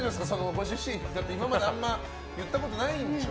ご主人に今まであんま言ったことないんでしょ。